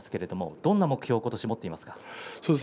どんな目標を今年持っていますか。